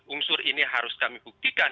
unsur ini harus kami buktikan